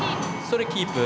それキープ。